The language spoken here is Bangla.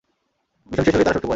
মিশন শেষ হলেই তারা সটকে পড়ে।